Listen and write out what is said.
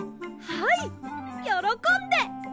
はいよろこんで！